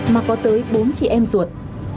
mà có tới bốn chị em ruột